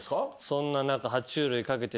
そんな中。